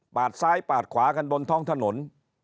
ซ้ายปาดขวากันบนท้องถนน